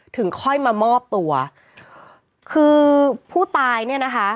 ถึงค่อยมามอบตัวคือผู้ตายเนี่ยนะคะ